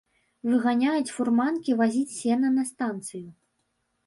Выганяюць фурманкі вазіць сена на станцыю.